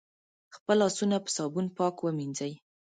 خپل لاسونه په صابون پاک ومېنځی